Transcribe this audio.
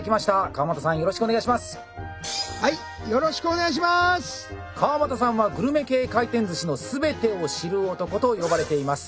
川股さんは「グルメ系回転寿司のすべてを知る男」と呼ばれています。